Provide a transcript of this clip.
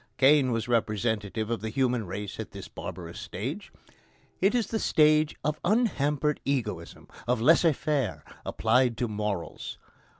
Cain was representative of the human race at this barbarous stage. It is the stage of unhampered egoism, of laissez faire applied to morals.